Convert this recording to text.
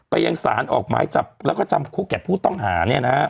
ไปยังศาลออกไม้จับแล้วก็จำกุกกัดผู้ต้องหา